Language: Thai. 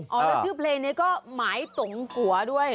อ๋อแล้วชื่อเพลงเนี่ยก็ไม่ตงกัวด้วย